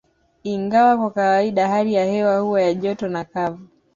Ingawa kwa kawaida hali ya hewa huwa ya joto na kavu